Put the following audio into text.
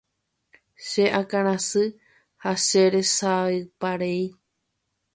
Che akãrasy ha cheresayparei.